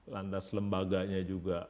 landas lembaganya juga